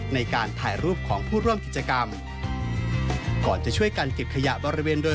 ในการถ่ายรูปของผู้ร่วมกิจกรรม